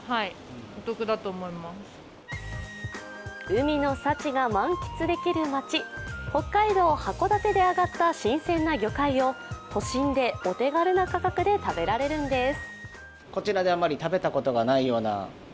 海の幸が満喫できる街、北海道函館で揚がった新鮮な魚介を都心でお手軽な価格で食べられるんです。